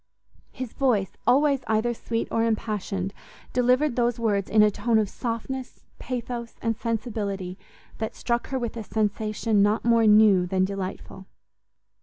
his voice, always either sweet or impassioned, delivered those words in a tone of softness, pathos, and sensibility, that struck her with a sensation not more new than delightful.